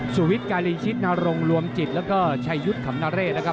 สุวิทย์การีชิตนรงค์รวมจิตแล้วก็ชัยยุทธ์ขำนเรศนะครับ